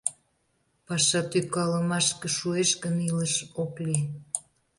Паша тӱкалымашке шуэш гын, илыш ок лий.